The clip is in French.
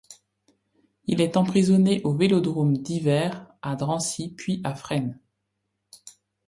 Il est emprisonné au vélodrome d'Hiver, à Drancy puis à Fresnes.